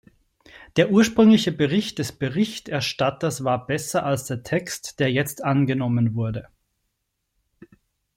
Der ursprüngliche Bericht des Berichterstatters war besser als der Text, der jetzt angenommen wurde.